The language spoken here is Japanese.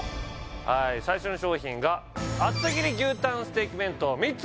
はい最初の商品が厚切り牛たんステーキ弁当３つ